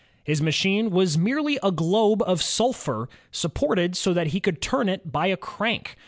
His machine was merely a globe of sulphur supported so that he could turn it by a crank.